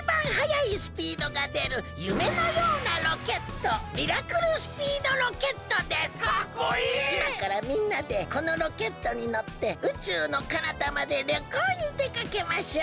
いまからみんなでこのロケットにのって宇宙のかなたまでりょこうにでかけましょう！